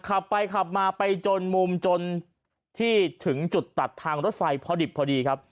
ขับไปขับมาไปจนมุมจนที่ถึงจุดตัดทางรถไฟพอดิบพอดีครับ